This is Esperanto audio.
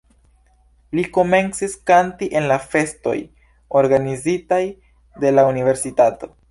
Li komencis kanti en la festoj organizitaj de la universitato.